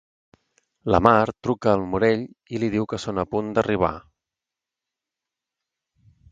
La Mar truca al Morell i li diu que són a punt d'arribar.